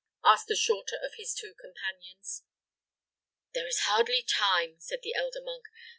asked the shorter of his two companions. "There is hardly time," said the elder monk.